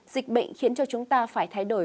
dịch bệnh khiến cho chúng ta phải thay đổi